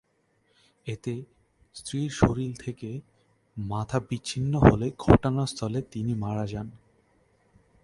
এতে স্ত্রীর শরীর থেকে মাথা বিচ্ছিন্ন হলে ঘটনাস্থলেই তিন মারা যান।